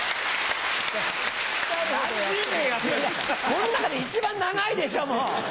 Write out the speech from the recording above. この中で一番長いでしょもう！